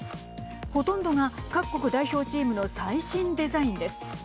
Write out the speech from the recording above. ほとんどが各国代表チームの最新デザインです。